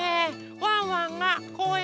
ワンワンがこうえんで